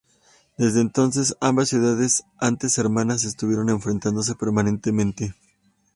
Desde entonces, ambas ciudades, antes hermanas, estuvieron enfrentándose permanentemente.